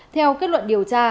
theo kết luận điều tra